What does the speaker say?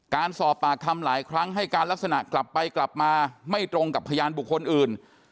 การสอบปากคำหลายครั้งให้การลักษณะกลับไปกลับมาไม่ตรงกับพยานบุคคลอื่น